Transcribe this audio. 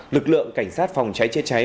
lực lượng cảnh sát phòng cháy chữa cháy